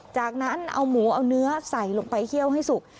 จากนั้นเอาหมูเอาเนื้อใส่ลงไปเคี่ยวให้สุก